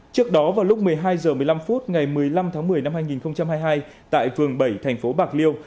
trước đó vào lúc một mươi hai h một mươi năm phút ngày một mươi năm tháng một mươi năm hai nghìn hai mươi hai tại phường bảy thành phố bạc liêu